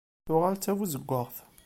Tuɣal-d tbuzeggaɣt.